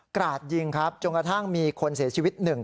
ราดยิงครับจนกระทั่งมีคนเสียชีวิตหนึ่ง